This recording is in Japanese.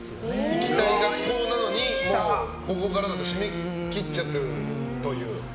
行きたい学校なのに高校からだと締め切っちゃってるという。